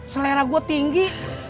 selera gue tinggi